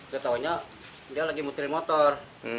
dia taunya dia lagi mutil motor